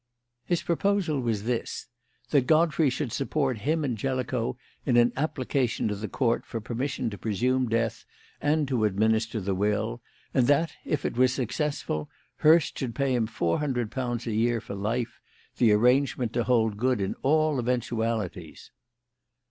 "His proposal was this: that Godfrey should support him and Jellicoe in an application to the Court for permission to presume death and to administer the will, and that, if it was successful, Hurst should pay him four hundred pounds a year for life: the arrangement to hold good in all eventualities."